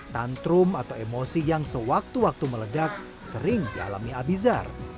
tantrum atau emosi yang sewaktu waktu meledak sering dialami abizar